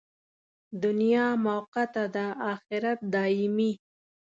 دنیا موقته ده، اخرت دایمي.